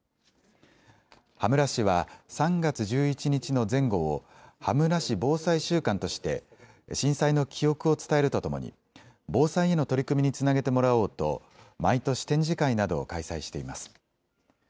羽村市は３月１１日の前後を羽村市防災週間として震災の記憶を伝えるとともに防災への取り組みにつなげてもらおうと毎年、展示会などを開催しています。